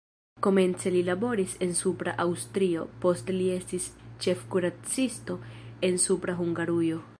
Komence li laboris en Supra Aŭstrio, poste li estis ĉefkuracisto en Supra Hungarujo.